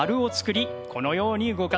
このように動かします。